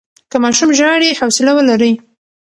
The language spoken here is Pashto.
که ماشوم ژاړي، حوصله ولرئ.